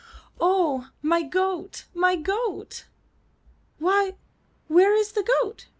''Oh, my goat — my goat!" ''Why, where is the goat?"